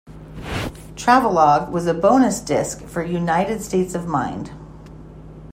"Travelogue" was a bonus disc for "United States of Mind".